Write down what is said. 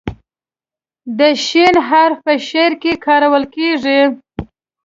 د "ش" حرف په شعر کې کارول کیږي.